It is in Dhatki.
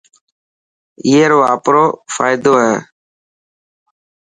اي رو آپرو فائدو هي.